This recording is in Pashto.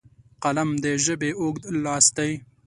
قلم د ژبې اوږد لاس دی